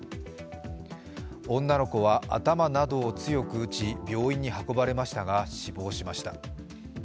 女の子は頭などを強く打ち、病院に運ばれましたが死亡しました。